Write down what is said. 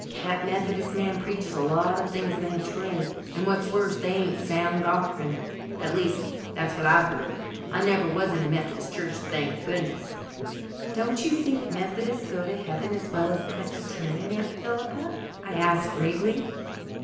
That Methodist man preaches a lot of things that ain't true, and what's worse they ain't sound doctrine. At least, that's what I've heard. I never was in a Methodist church, thank goodness." "Don't you think Methodists go to heaven as well as Presbyterians, Aunt Philippa?" I asked gravely.